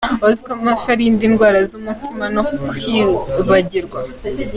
Wari uzi ko amafi arinda indwara z’umutima no kwibagirwa